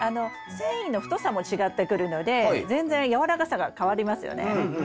繊維の太さも違ってくるので全然やわらかさが変わりますよね。